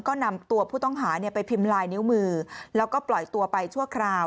ก็นำตัวผู้ต้องหาไปพิมพ์ลายนิ้วมือแล้วก็ปล่อยตัวไปชั่วคราว